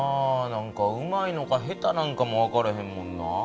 何かうまいのか下手なのかも分からへんもんな。